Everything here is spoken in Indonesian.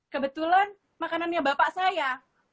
kebetulan makanannya bapak saya